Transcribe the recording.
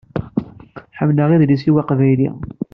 Ḥemmleɣ idles-iw aqbayli.